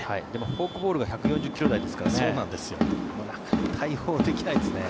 フォークボールが１４０ｋｍ台ですからね。